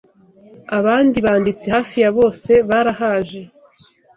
abandi banditsi hafi ya bose barahaje